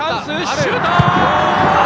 シュート！